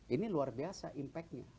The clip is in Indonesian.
ini luar biasa impact nya